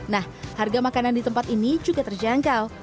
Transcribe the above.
nah harga makanan di tempat ini juga terjangkau